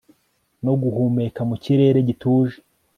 no guhumeka mu kirere gituje